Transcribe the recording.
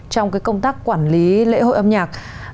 trong cái công tác quản lý lễ hội âm nhạc